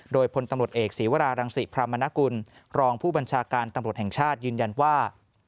โดยพลตำรวจเอกศีวรารังศิพรามนกุลรองผู้บัญชาการตำรวจแห่งชาติยืนยันว่า